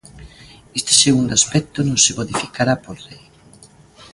Este segundo aspecto non se modificará por lei.